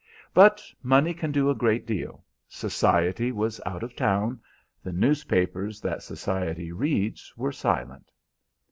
"But money can do a great deal. Society was out of town; the newspapers that society reads were silent.